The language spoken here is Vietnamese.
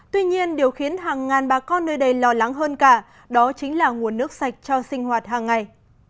tuy nhiên điều khiến hàng ngàn bà con nơi đây lo lắng hơn cả đó chính là nguồn nước sạch cho sinh hoạt hàng ngày